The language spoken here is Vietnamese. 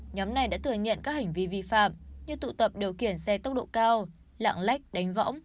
nhóm này đã thừa nhận các hành vi vi phạm như tụ tập điều khiển xe tốc độ cao lạng lách đánh võng